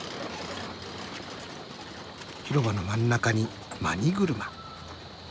広場の真ん中にマニ車。